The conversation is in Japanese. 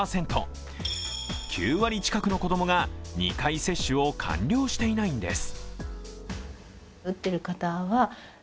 ９割近くの子供が２回接種を完了していないんです。